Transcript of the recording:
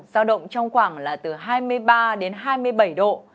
giao động trong khoảng là từ hai mươi ba đến hai mươi bảy độ